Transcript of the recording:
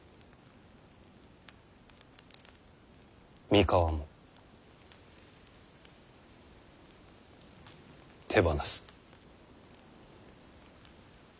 三河も手放す。